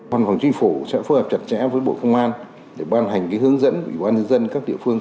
văn phòng chính phủ sẽ phối hợp chặt chẽ với bộ công an để ban hành hướng dẫn của bộ công an các địa phương